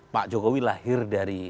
pak jokowi lahir dari